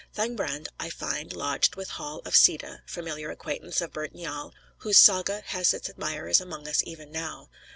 Thangbrand, I find, lodged with Hall of Sida (familiar acquaintance of "Burnt Njal," whose Saga has its admirers among us even now).